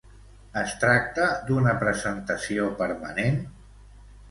Es tracta d'una presentació permanent?